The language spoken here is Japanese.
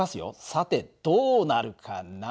さてどうなるかな？